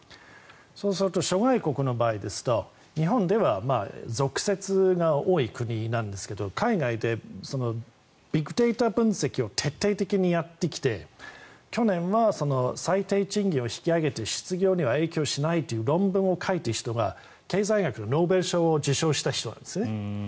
そうすると諸外国の場合ですと日本では俗説が多い国なんですけど海外でビッグデータ分析を徹底的にやってきて去年は最低賃金を引き上げて失業には影響しないという論文を書いている人が経済学のノーベル賞を受賞した人なんですね。